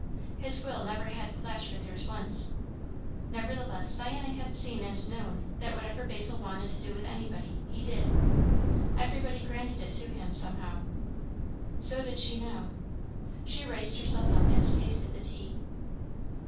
His will never had clashed with hers once; nevertheless Diana had seen and known that whatever Basil wanted to do with anybody, he did. Everybody granted it to him, somehow. So did she now. She raised herself up and tasted the tea.